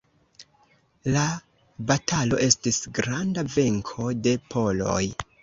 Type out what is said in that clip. La batalo estis granda venko de poloj.